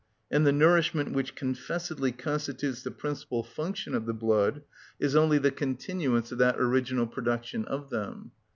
And the nourishment which confessedly constitutes the principal function of the blood is only the continuance of that original production of them.